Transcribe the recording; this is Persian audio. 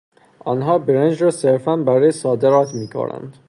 آنها برنج را صرفا برای صادرات میکارند.